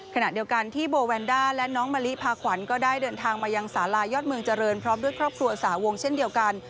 ขณะเดียวกันที่โบแวนด้าและน้องมะลิพาขวัญก็ได้เดินทางมายังสาลายอดเมืองเจริญพร้อมด้วยครอบครัวสาวงเช่นเดียวกัน